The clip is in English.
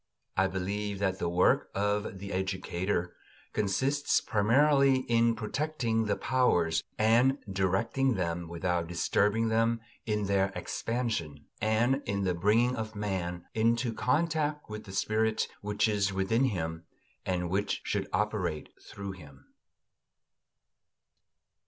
I believe that the work of the educator consists primarily in protecting the powers and directing them without disturbing them in their expansion; and in the bringing of man into contact with the spirit which is within him and which should operate through him.